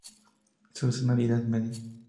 Su salinidad es media.